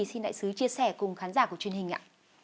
xin đại sứ chia sẻ cùng khán giả của truyền hình ạ